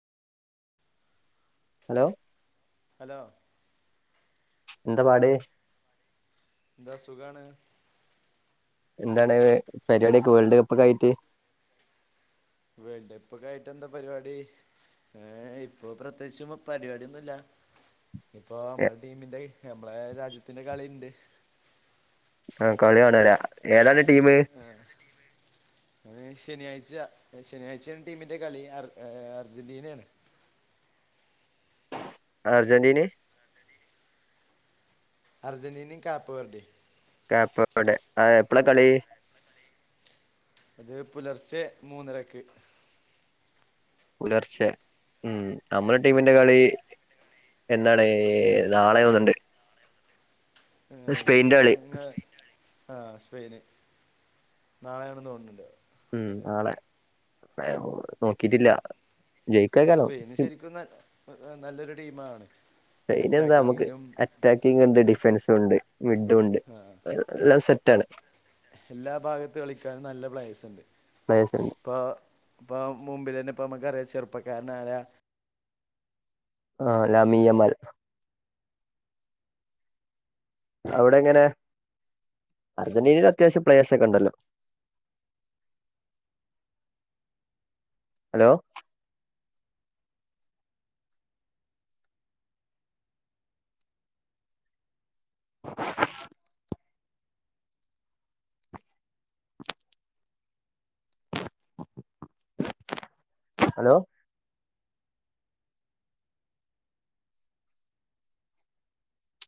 Hello hello എന്താ പാട്. ദ സുഖാണ്. എന്താണ് പരിപാടിയൊക്കെ വേൾഡ് കപ്പ് ഒക്കെ ആയിട്ട്. വേൾഡ് കപ്പ്ക്കെ ആയിട്ട് എന്താ പരിപാടി. ഏ ഇപ്പൊ പ്രത്യേകിച്ചും പരിപാടിയന്നുല്ല. ഇപ്പൊ നമ്മള ടീമിന്റെ നമ്മളെ രാജ്യത്തിന്റെ കളിണ്ട്. ആ കളി കാണാലേ ഏതാണ് ടീമ് അത് ശനിയാഴ്ച ശനിയാഴ്ചയാണ് ടീമിന്റെ കളി എ അർജന്റീനയാണ്. അർജന്റ്റീനെ? അർജന്റീനയും കാപ്പ് വർഡി [unintelligible] അ എപ്പളാ കളി അത് പുലർച്ചെ മൂന്നരക്ക്. പുലർച്ചെ ഉം നമ്മളെ ടീമിന്റെ കളി എന്താണ് നാളെ തോന്നണ്ട്. ഏ ടീമ [inaudible] ആ സ്പെയിന് നാളെയണെന്ന് തോണ്ണ് ഉം നളെെ നോക്കിട്ടില്ല ജയിക്കാക്കാരം സ്പെയിന് ശരിക്കും ന നല്ലൊരു ടീമാണ്. സ്പെയിൻ എന്താ നമുക്ക് അറ്റാക്കിങ്ങിലും അറ്റാക്കിങ് ഉണ്ട് ഡിഫൻസും ഉണ്ട് വി എല്ലാ ഭാഗത്തും കളിക്കാനും നല്ല പ്ലേയേസ് ണ്ട് പ്ലേയേഴ്സ് ഉണ്ട് ഇപ്പ ഇപ്പ മുമ്പിൽ തന്നെ ഇപ്പ നമുക്കറിയ ചെറുപ്പക്കാരനരാ ആ ലമി അമൽ. അവിടെ ഇങ്ങനെ അർജന്റീനൽ അത്യാവശ്യം പ്ലയഴസ് ഒക്കെ ഉണ്ടല്ലോ? [inaudible] Hello [inaudible] hello